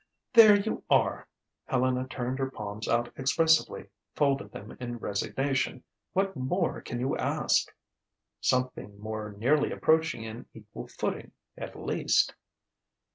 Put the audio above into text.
"There you are!" Helena turned her palms out expressively; folded them in resignation. "What more can you ask?" "Something more nearly approaching an equal footing, at least."